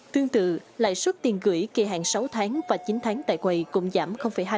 tương tự lãi suất tiền gửi kỳ hạn sáu tháng và chín tháng tại quầy cũng giảm hai